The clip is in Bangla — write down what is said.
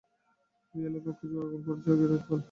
রিয়ালের পক্ষে জোড়া গোল করেছেন গ্যারেথ বেল।